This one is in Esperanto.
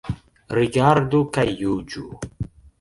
Rigardu kaj juĝu.